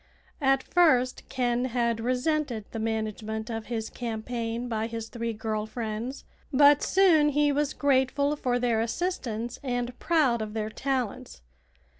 At first Ken had resented the management of his campaign by his three girl friends; but soon he was grateful for their assistance and proud of their talents.